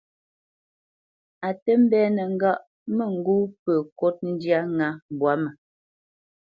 A tə mbénə ŋgâʼ mə ŋgó pə kot ndyâ ŋá mbwǎ mə.